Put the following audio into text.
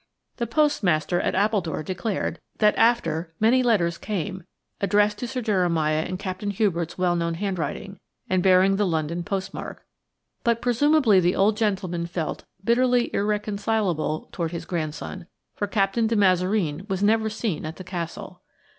The postmaster at Appledore declared that after that many letters came, addressed to Sir Jeremiah in Captain Hubert's well known handwriting and bearing the London postmark; but presumably the old gentleman felt bitterly irreconcilable towards his grandson, for Captain de Mazareen was never seen at the Castle.